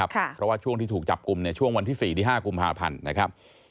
เพราะว่าช่วงที่ถูกจับกลุ่มช่วงวันที่๔ที่๕กุมภาพันธ์นะครับ